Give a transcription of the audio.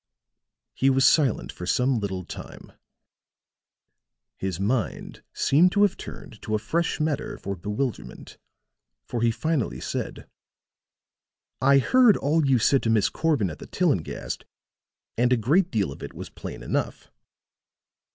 He was silent for some little time; his mind seemed to have turned to a fresh matter for bewilderment, for he finally said: "I heard all you said to Miss Corbin at the Tillinghast and a great deal of it was plain enough.